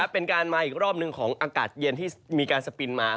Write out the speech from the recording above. เป็นการมาอีกรอบหนึ่งของอากาศเย็นที่มีการสปินมา